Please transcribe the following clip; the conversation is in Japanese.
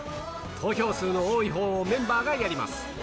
投票数の多いほうをメンバーがやります。